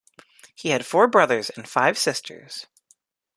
He had four brothers and five sisters.